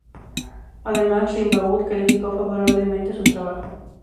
Además, Rimbaud calificó favorablemente su trabajo.